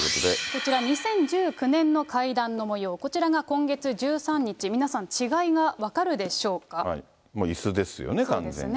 こちら、２０１９年の会談のもよう、こちらが今月１３日、皆もういすですよね、完全に。